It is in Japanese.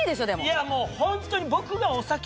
いやもうホントに。